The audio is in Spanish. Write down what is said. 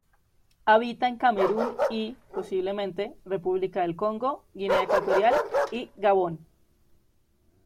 Habita en Camerún y, posiblemente, República del Congo, Guinea Ecuatorial y Gabón.